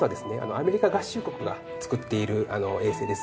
アメリカ合衆国が作っている衛星です。